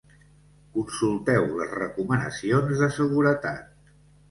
Consulteu les recomanacions de seguretat.